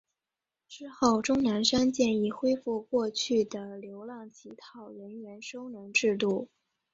之后钟南山建议恢复过去的流浪乞讨人员收容制度。